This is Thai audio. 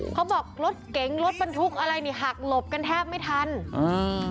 เขาบอกรถเก๋งรถบรรทุกอะไรนี่หักหลบกันแทบไม่ทันอืม